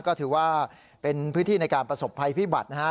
ก็ถือว่าเป็นพื้นที่ในการประสบภัยพิบัตินะฮะ